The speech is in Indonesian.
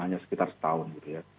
ini cuma sekitar setahun gitu ya